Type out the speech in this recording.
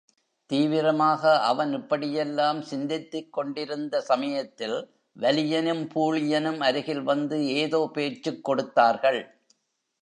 தீவிரமாக அவன் இப்படியெல்லாம் சிந்தித்துக்கொண்டிருந்த சமயத்தில் வலியனும் பூழியனும் அருகில் வந்து ஏதோ பேச்சுக் கொடுத்தார்கள்.